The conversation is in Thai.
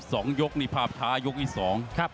สองยกนี่ผ่าประทายกที่สอง